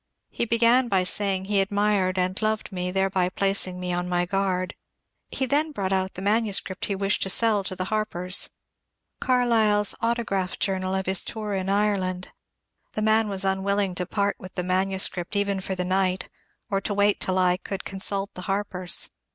He began saying he admired and loved me, thereby placing me on my guard. He then brought out the manuscript he wished to sell to the Harpers, — Carlyle's autograph journal 408 MONCURE DANIEL CONWAY of his tour in Ireland. The man was onwilling to part with the manuscript even for the night, or to wait till I ooold con sult the Harpers.